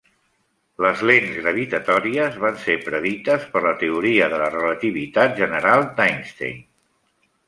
Les lents gravitatòries van ser predites per la teoria de la relativitat general d'Einstein.